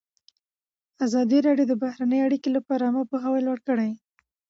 ازادي راډیو د بهرنۍ اړیکې لپاره عامه پوهاوي لوړ کړی.